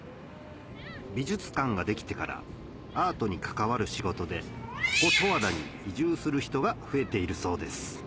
美術館ができてからアートに関わる仕事でここ十和田に移住する人が増えているそうです